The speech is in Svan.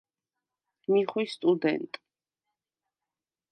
მი ხვი სტუდენტ.